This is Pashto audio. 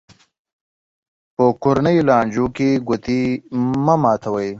په کورنیو لانجو کې ګوتې مه ماتوي.